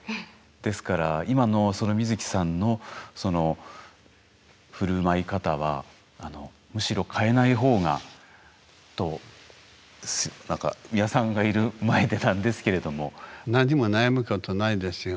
ですから今のそのミヅキさんのその振る舞い方はむしろ変えない方がと。なんか美輪さんがいる前でなんですけれども。何も悩むことないですよ。